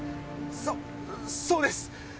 そそうです！